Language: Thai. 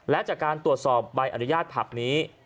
และจากการตรวจสอบใบอนุญาตผับนี้